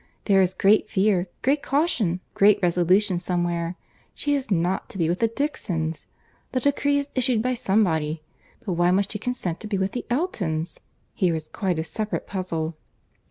There is great fear, great caution, great resolution somewhere.—She is not to be with the Dixons. The decree is issued by somebody. But why must she consent to be with the Eltons?—Here is quite a separate puzzle."